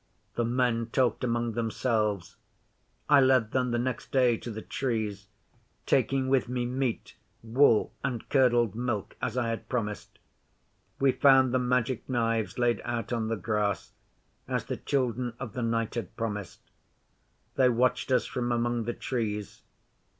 The men talked among themselves. 'I led them, the next day, to the Trees, taking with me meat, wool, and curdled milk, as I had promised. We found the Magic Knives laid out on the grass, as the Children of the Night had promised. They watched us from among the Trees.